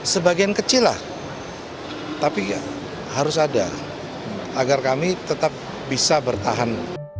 sebagian kecil lah tapi ya harus ada agar kami tetap bisa bertahan